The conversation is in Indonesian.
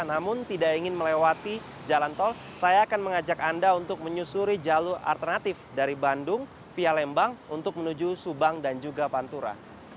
namun tidak ingin melewati jalan tol saya akan mengajak anda untuk menyusuri jalur alternatif dari bandung via lembang untuk menuju subang dan juga pantura